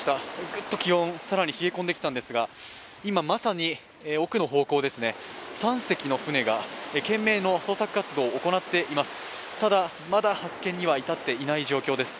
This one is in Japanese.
グッと気温、更に冷え込んできたんですが今、まさに奥の方向ですね、３隻の船が賢明の捜査活動を行っています。